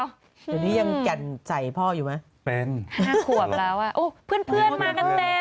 อันนี้ยังแก่นใจพ่ออยู่ไหมเป็นห้าขวบแล้วอ่ะโอ้พี่มากันเต็มนี่